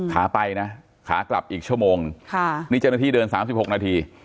ขาไปนะขากลับอีกชั่วโมงค่ะนี่จะหน้าที่เดินสามสิบหกนาที